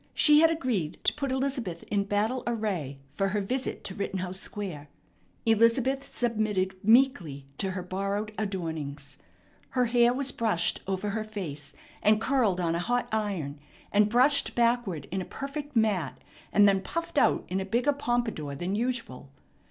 She had agreed to put Elizabeth in battle array for her visit to Rittenhouse Square. Elizabeth submitted meekly to her borrowed adornings. Her hair was brushed over her face, and curled on a hot iron, and brushed backward in a perfect mat, and then puffed out in a bigger pompadour than usual.